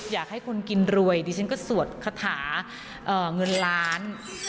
อยากให้คนกินรวยดิฉันก็สวดคาถาเงินล้าน